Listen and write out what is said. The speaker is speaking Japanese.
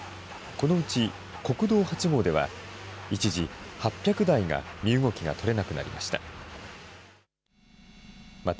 このうち国道８号では、一時、８００台が身動きがとれなくなりました。